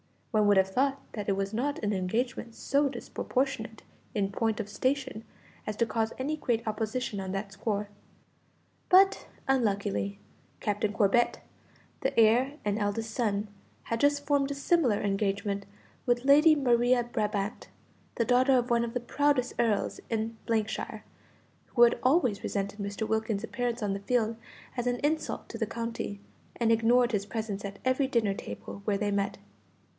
One would have thought that it was not an engagement so disproportionate in point of station as to cause any great opposition on that score; but, unluckily, Captain Corbet, the heir and eldest son, had just formed a similar engagement with Lady Maria Brabant, the daughter of one of the proudest earls in shire, who had always resented Mr. Wilkins's appearance on the field as an insult to the county, and ignored his presence at every dinner table where they met.